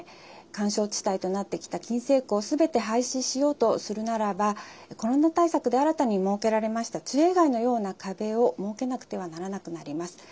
緩衝地帯となってきた禁制区をすべて廃止しようとするならばコロナ対策で新たに設けられました中英街のような壁を設けなくてはならなくなります。